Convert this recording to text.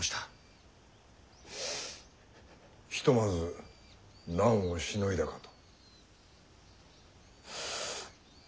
ひとまず難をしのいだかと。